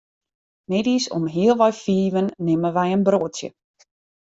Middeis om healwei fiven nimme wy in broadsje.